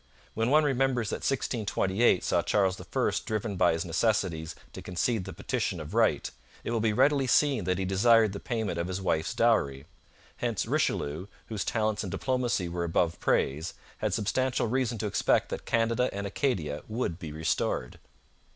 When one remembers that 1628 saw Charles I driven by his necessities to concede the Petition of Right, it will be readily seen that he desired the payment of his wife's dowry. Hence Richelieu, whose talents in diplomacy were above praise, had substantial reason to expect that Canada and Acadia would be restored.